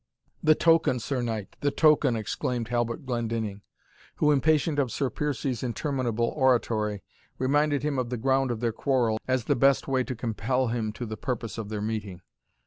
"The token, Sir Knight, the token!" exclaimed Halbert Glendinning, who, impatient of Sir Piercie's interminable oratory, reminded him of the ground of their quarrel, as the best way to compel him to the purpose of their meeting.